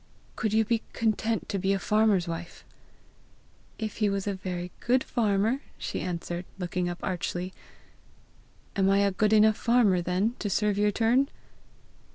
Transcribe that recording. "Could you be content to be a farmer's wife?" "If he was a very good farmer," she answered, looking up archly. "Am I a good enough farmer, then, to serve your turn?"